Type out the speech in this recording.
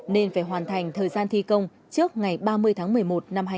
nên phải hoàn thành thời gian thi công trước ngày ba mươi tháng một mươi một năm hai nghìn hai mươi